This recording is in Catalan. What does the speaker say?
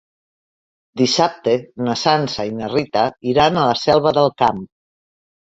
Dissabte na Sança i na Rita iran a la Selva del Camp.